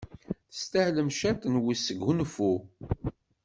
Testahlem ciṭṭ n wesgunfu.